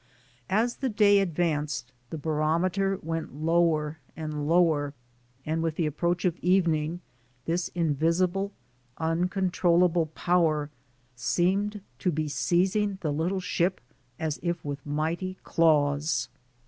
As the day advanced the barometer went lower and lower, and with the approach of evening tliis invisible, uncontrollable 169] 70 THE SOUL OF AN IMMIGRANT power seemed to be seizing the little ship as if with mighty claws.